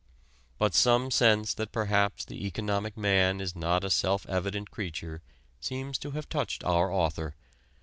But some sense that perhaps the "economic man" is not a self evident creature seems to have touched our author.